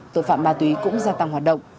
tội phạm ma túy cũng gia tăng hoạt động